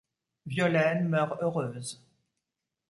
Violaine meurt heureuse...